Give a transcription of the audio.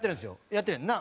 やってるやんな？